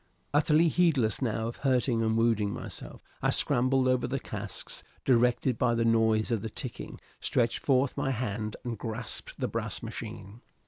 Utterly heedless now of hurting and wounding myself, I scrambled over the casks, directed by the noise of the ticking, stretched forth my hand and grasped the brass machine.